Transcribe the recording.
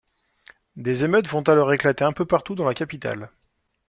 Des émeutes vont alors éclater un peu partout dans la capitale.